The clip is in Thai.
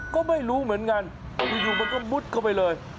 ก็ไม่รู้เหมือนกันอยู่มันก็มุดเข้าไปเลย